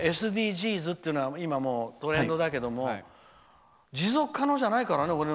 ＳＤＧｓってのはもう今トレンドだけど持続可能じゃないからね。